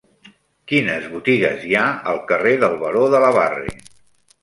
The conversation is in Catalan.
Quines botigues hi ha al carrer del Baró de la Barre?